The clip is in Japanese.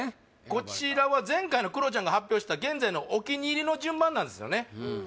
こちらは前回のクロちゃんが発表した現在のお気に入りの順番なんですよね